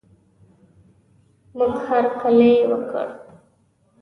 موږ هر کلی یې وکړ.